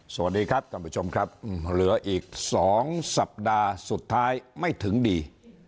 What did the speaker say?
สวัสดีครับท่านผู้ชมครับเหลืออีก๒สัปดาห์สุดท้ายไม่ถึงดี